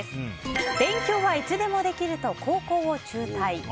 勉強はいつでもできると高校を中退。